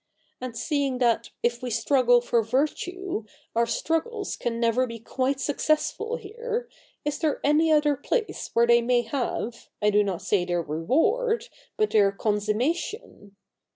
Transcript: And seeing that, if we struggle for virtue, our struggles can never be quite successful here, is there any other place where they may have, I do not say their reward, but their consummation